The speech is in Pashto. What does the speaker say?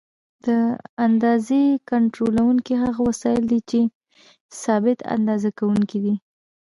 د اندازې کنټرولوونکي هغه وسایل دي چې ثابت اندازه کوونکي دي.